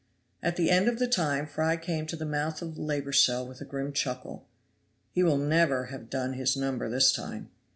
At the end of the time Fry came to the mouth of the labor cell with a grim chuckle. "He will never have done his number this time."